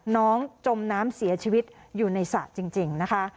จมน้ำเสียชีวิตอยู่ในสระจริงนะคะ